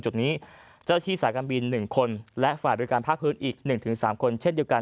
จุดนี้เจ้าที่สายการบิน๑คนและฝ่ายบริการภาคพื้นอีก๑๓คนเช่นเดียวกัน